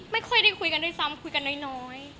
ไม่ค่อยได้คุยกันด้วยซ้ำคุยกันน้อย